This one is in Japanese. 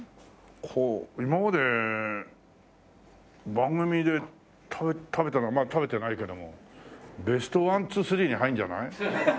今まで番組で食べたまだ食べてないけどもベストワンツースリーに入るんじゃない？